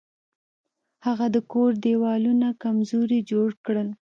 هغه د کور دیوالونه کمزوري جوړ کړل.